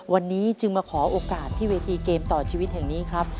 วันนี้จึงมาขอโอกาสที่เวทีเกมต่อชีวิตแห่งนี้ครับ